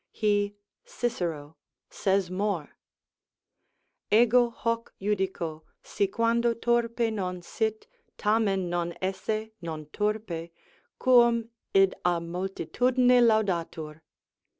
He [Cicero] says more: "Ego hoc judico, si quando turpe non sit, tamen non esse non turpe, quum id a multitudine laudatur."